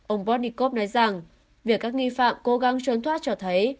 ông protnikov nói rằng việc các nghị phạm cố gắng trốn thoát cho thấy